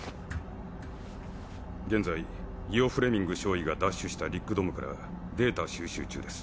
現在イオ・フレミング少尉が奪取したリック・ドムからデータ収集中です。